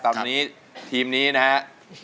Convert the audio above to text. ตอนนี้ทีมนี้นะครับ